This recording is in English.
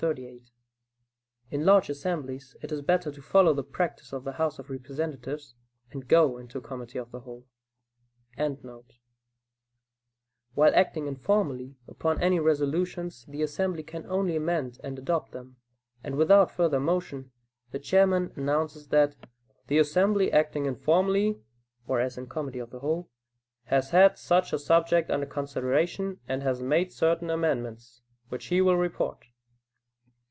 ] In large assemblies it is better to follow the practice of the House of Representatives, and go into committee of the whole.] While acting informally upon any resolutions, the assembly can only amend and adopt them, and without further motion the Chairman announces that "the assembly acting informally [or as in committee of the whole] has had such a subject under consideration, and has made certain amendments, which he will report."